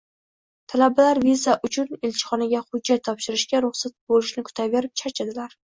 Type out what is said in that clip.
Talabalar viza uchun elchixonaga hujjat topshirishga ruxsat bo'lishini kutaverib charchadilar.